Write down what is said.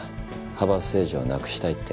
派閥政治をなくしたいって。